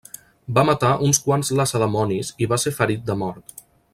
Va matar uns quants lacedemonis i va ser ferit de mort.